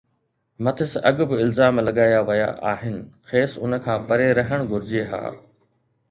مٿس اڳ به الزام لڳايا ويا آهن، کيس ان کان پري رهڻ گهرجي ها